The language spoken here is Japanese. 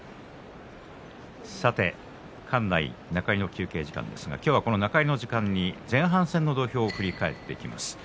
さて館内、中入りの休憩時間ですが中入りの時間に前半戦の土俵を振り返っていきます。